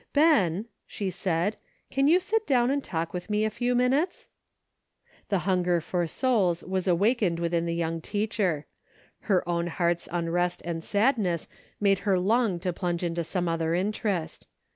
'' Ben," she said, can you sit down and talk with me a few minutes ?" The hunger for souls was awakened within the young teacher. Her own heart's unrest and sadness made her long to plunge into some other interest.